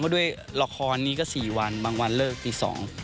และด้วยล๊อคคอนี้ก็สี่วันบางวันเลิกปีสอง